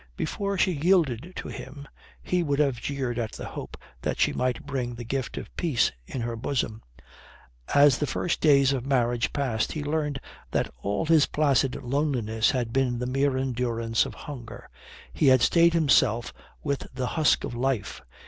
Before she yielded to him, he would have jeered at the hope that she might bring the gift of peace in her bosom. As the first days of marriage passed he learnt that all his placid loneliness had been the mere endurance of hunger. He had stayed himself with the husk of life.